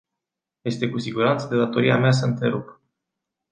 Este cu siguranță de datoria mea să întrerup.